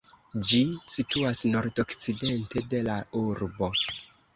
Ĝi situas nordokcidente de la urbo.